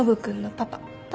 パパ？